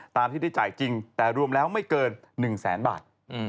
ตามที่ได้จ่ายจริงแต่รวมแล้วไม่เกิน๑แสนบาท